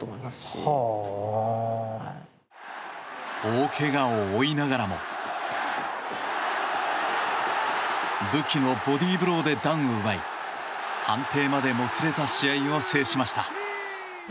大けがを負いながらも武器のボディーブローでダウンを奪い判定までもつれた試合を制しました。